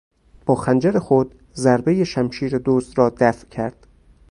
با خنجر خود ضربهی شمشیر دزد را دفع کرد.